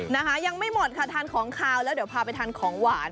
นะคะยังไม่หมดค่ะทานของขาวแล้วเดี๋ยวพาไปทานของหวาน